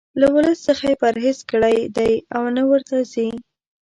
له ولس څخه یې پرهیز کړی دی او نه ورته ځي.